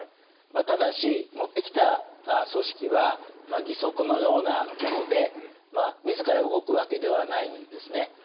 ただし持ってきた組織は義足のようなもので自ら動くわけではないんですね。